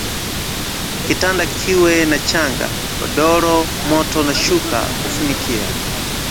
Kitanda kiwe na chaga, godoro, moto na shuka kufunikia